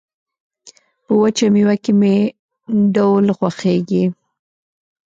په وچه مېوه کې مې ډول خوښيږي